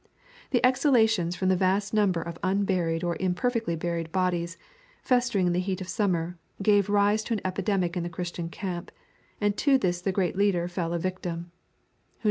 The exhalations from the vast number of unburied or imperfectly buried bodies, festering in the heat of summer, gave rise to an epidemic in the Christian camp, and to this the great leader fell a victim.